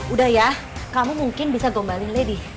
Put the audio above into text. udah ya kamu mungkin bisa gombalin lady